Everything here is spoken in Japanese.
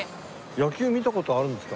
野球見た事あるんですか？